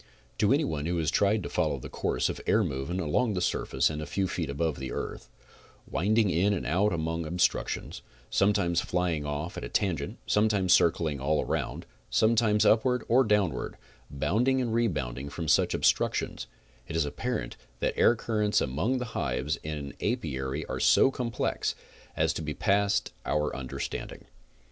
To any one who has tried to follow the course of air movements along the surface and a few feet | above the earth, winding in and out among obstructions, some times flying off at a tangent, sometimes circling all around, sometimes upward or downward, bounding and rebounding from such obstructions, it is apparent that air currents among the hives in an aipary are so complex as to be past our understanding.